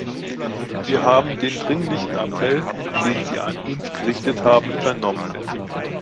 Wir haben den dringlichen Appell, den Sie an uns gerichtet haben, vernommen.